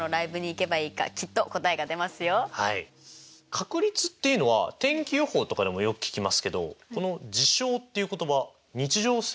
確率っていうのは天気予報とかでもよく聞きますけどこの「事象」っていう言葉日常生活ではあまり聞かないですよね。